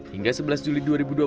hingga sebelas juli dua ribu dua puluh